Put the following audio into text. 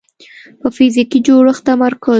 په فزیکي جوړښت تمرکز